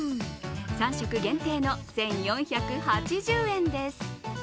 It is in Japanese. ３食限定の１４８０円です。